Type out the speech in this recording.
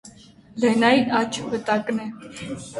Լենայի աջ վտակն է։